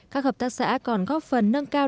các hợp tác xã còn góp phần nâng cao